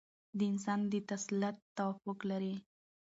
د انسان د تسلط توقع لري.